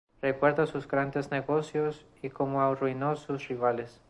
Recuerda sus grandes negocios y cómo arruinó a sus rivales.